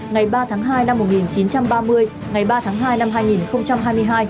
ngày ba tháng hai năm một nghìn chín trăm ba mươi ngày ba tháng hai năm hai nghìn hai mươi hai